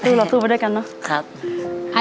เราสู้ไปด้วยกันเนอะ